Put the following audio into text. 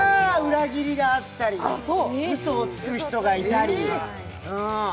裏切りがあったり、うそをつく人がいたり。